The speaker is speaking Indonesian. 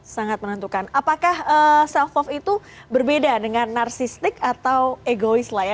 sangat menentukan apakah self love itu berbeda dengan narsistik atau egois lah ya